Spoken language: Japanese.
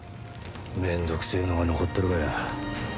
めんどくせえのが残っとるがや。